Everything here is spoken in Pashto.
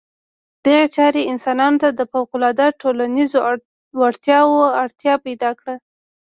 دغې چارې انسانانو ته د فوقالعاده ټولنیزو وړتیاوو اړتیا پیدا کړه.